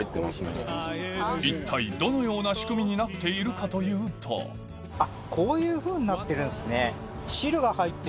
一体どのような仕組みになっているかというとあっこういうふうになってるんですね。